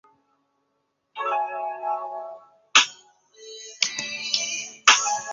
兰卡斯特郡领地阿尔弗斯顿的伯基特男爵。